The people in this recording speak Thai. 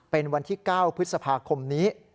เป็นวันที่๙พฤษภาคมนี้